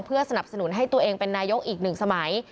เพื่อสนับสนุนให้ตัวเองเป็นนายกอีกหนึ่งสมัย